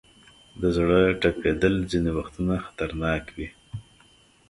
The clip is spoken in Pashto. د زړه ټپېدل ځینې وختونه خطرناک وي.